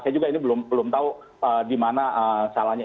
saya juga ini belum tahu di mana salahnya